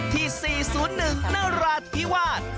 ที่๔๐๑นราธิวาส